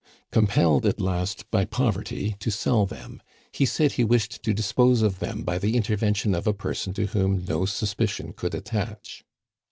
Compelled at last by poverty to sell them, he said he wished to dispose of them by the intervention of a person to whom no suspicion could attach.